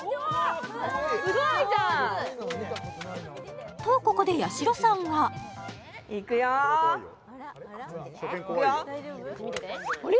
すごいじゃん上手！とここでやしろさんがこっち見ててあれ？